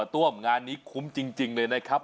ต้วมงานนี้คุ้มจริงเลยนะครับ